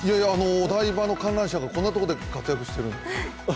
お台場の観覧車がこんなところで活躍